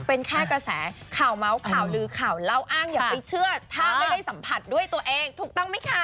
เป็นแค่กระแสข่าวเมาส์ข่าวลือข่าวเล่าอ้างอย่าไปเชื่อถ้าไม่ได้สัมผัสด้วยตัวเองถูกต้องไหมคะ